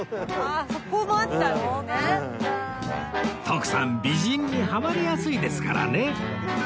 徳さん美人にハマりやすいですからね